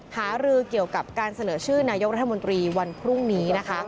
หารือเกี่ยวกับการเสนอชื่อนายกรัฐมนตรีวันพรุ่งนี้นะคะ